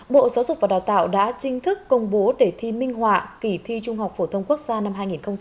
bộ giáo dục và đào tạo đã chính thức công bố để thi minh họa kỳ thi trung học phổ thông quốc gia năm hai nghìn một mươi tám